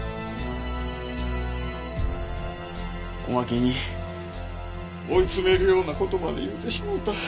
おまけに追い詰めるような事まで言うてしもうた。